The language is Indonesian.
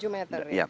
tujuh meter ya